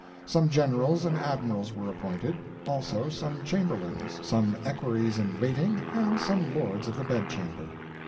Some generals and admirals were appointed; also some chamberlains, some equerries in waiting, and some lords of the bedchamber.